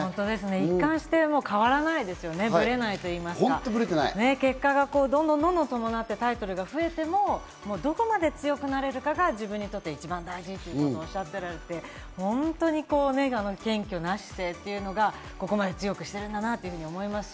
一貫して変わらないですよね、ぶれないと言いますか、結果がどんどん伴って、タイトルが増えてもどこまで強くなれるかが自分にとって一番大事っていうことをおっしゃってるので、本当に謙虚な姿勢というのが、ここまで強くしてるんだなと思います。